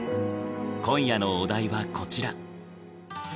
今夜のお題はこちら。